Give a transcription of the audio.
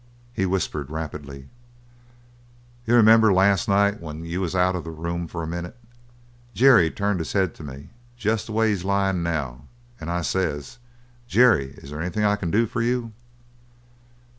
He whispered rapidly: "You remember last night when you was out of the room for a minute? Jerry turned his head to me jest the way he's lyin' now and I says: 'Jerry, is there anything I can do for you?'"